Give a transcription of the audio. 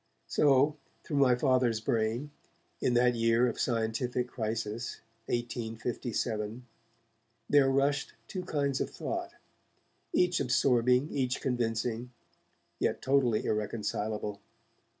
So, through my Father's brain, in that year of scientific crisis, 1857, there rushed two kinds of thought, each absorbing, each convincing, yet totally irreconcilable.